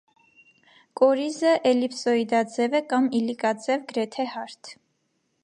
Կորիզը էլիպսոիդաձև է կամ իլիկաձև, գրեթե հարթ։